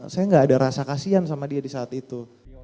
saya gak ada rasa kasihan sama dia di saat itu